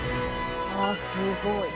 ああすごい。